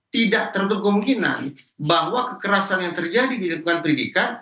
tidak tertutup kemungkinan bahwa kekerasan yang terjadi di lingkungan pendidikan